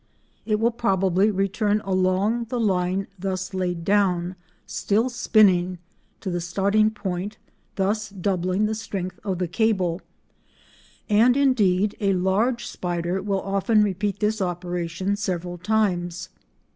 It will probably return along the line thus laid down—still spinning—to the starting point, thus doubling the strength of the cable, and indeed a large spider will often repeat this operation several times.